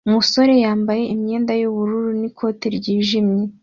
Umusore yambaye imyenda yubururu n'ikoti ryijimye